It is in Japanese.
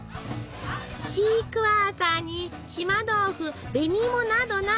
シークワーサーに島豆腐紅芋などなど。